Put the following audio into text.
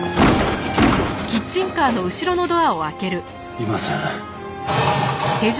いません。